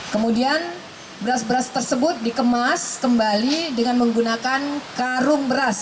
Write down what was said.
kemudian beras beras tersebut dikemas kembali dengan menggunakan karung beras